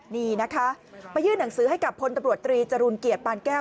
นี่นะคะไปยื่นหนังสือให้กับพลตำรวจตรีจรูลเกียรติปานแก้ว